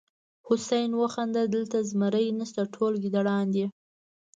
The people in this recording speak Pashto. حسن وخندل دلته زمری نشته ټول ګیدړان دي.